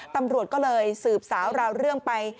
ตำรวจก็เลยสืบสาวราวเรื่องไป